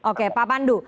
oke pak pandu